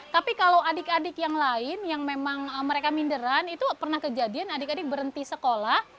tapi kalau adik adik yang lain yang memang mereka minderan itu pernah kejadian adik adik berhenti sekolah